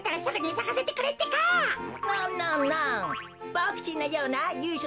ボクちんのようなゆいしょ